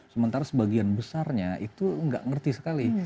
sementara sebagian besarnya itu tidak mengerti sekali